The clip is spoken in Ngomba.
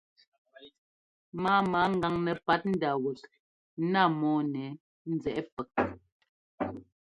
Máama ŋgaŋ nɛpat ndá wɛk ńná mɔ́ɔ nɛ nzɛꞌɛ́ pɛk.